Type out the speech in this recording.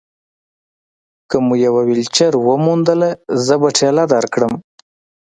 که مو یوه ویلچېر وموندله، زه به ټېله درکړم.